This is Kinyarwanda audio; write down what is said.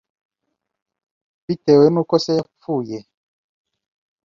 bitewe nuko Se yapfuye.